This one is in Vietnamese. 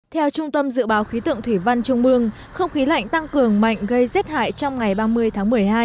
theo trung tâm dự báo khí tượng thủy văn trung mương không khí lạnh tăng cường mạnh gây rét hại trong ngày ba mươi tháng một mươi hai